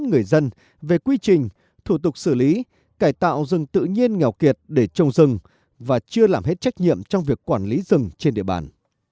người dân về quy trình thủ tục xử lý cải tạo rừng tự nhiên nghèo kiệt để trồng rừng và chưa làm hết trách nhiệm trong việc quản lý rừng trên địa bàn